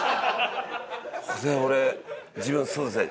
俺自分そうですね